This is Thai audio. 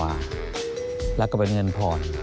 และก็เป็นเงินพร